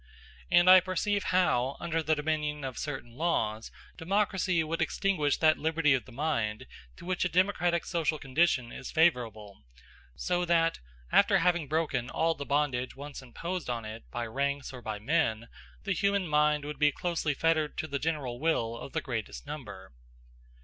And I perceive how, under the dominion of certain laws, democracy would extinguish that liberty of the mind to which a democratic social condition is favorable; so that, after having broken all the bondage once imposed on it by ranks or by men, the human mind would be closely fettered to the general will of the greatest number.